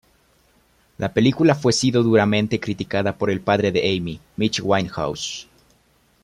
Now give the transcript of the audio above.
La película fue sido duramente criticada por el padre de Amy, Mitch Winehouse.